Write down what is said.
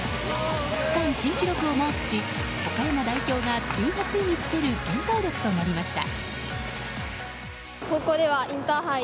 区間新記録をマークし岡山代表が１８位につける原動力となりました。